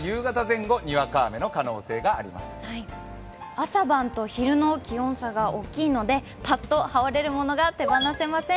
朝晩と昼の気温差が大きいので、パッと羽織れるものが手放せません。